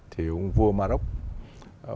thì ông vua morocco